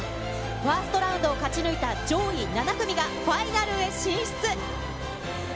ファーストラウンドを勝ち抜いた上位７組がファイナルへ進出。